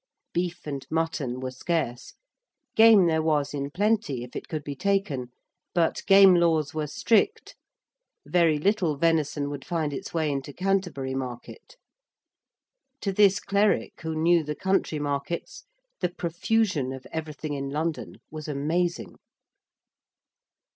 Beef and mutton were scarce: game there was in plenty if it could be taken; but game laws were strict; very little venison would find its way into Canterbury market. To this cleric who knew the country markets, the profusion of everything in London was amazing.